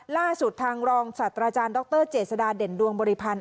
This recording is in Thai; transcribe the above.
ล่าสุดทางรองศาสตราจารย์ดรเจษฎาเด่นดวงบริพันธ์